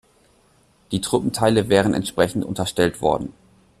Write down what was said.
Die Truppenteile wären entsprechend unterstellt worden.